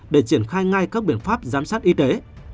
để triển khai ngay các biện pháp giám sát y tế